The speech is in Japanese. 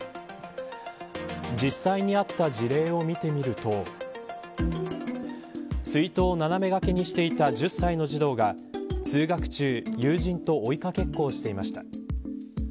実際にあった事例を見てみると水筒を斜め掛けにしていた１０歳の児童が通学中、友人と追いかけっこをしていました。